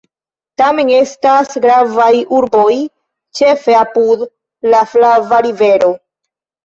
Tamen estas gravaj urboj, ĉefe apud la Flava Rivero.